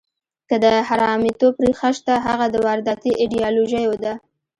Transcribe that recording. که د حرامیتوب ریښه شته، هغه د وارداتي ایډیالوژیو ده.